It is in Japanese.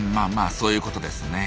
そういうことですね。